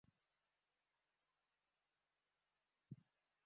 এসব কথা এতো জোরে বলতে নেই।